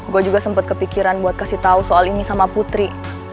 gue juga sempat kepikiran buat kasih tau soal ini sama putri